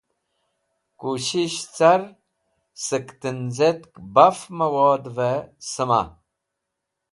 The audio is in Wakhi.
Kushish car sek tẽnzẽt baf mẽwodvẽ sẽma.